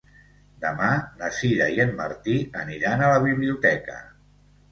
Demà na Sira i en Martí aniran a la biblioteca.